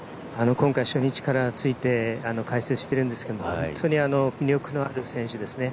今回、初日からついて解説しているんですけど本当に魅力のある選手ですね。